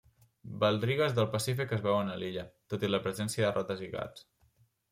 Baldrigues del Pacífic es veuen a l'illa, tot i la presència de rates i gats.